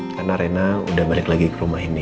karena rena udah balik lagi ke rumah ini